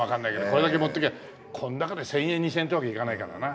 これだけ持ってくりゃこんだけで１０００円２０００円ってわけいかないからな。